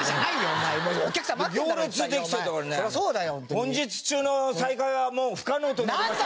「本日中の再開はもう不可能となりました」。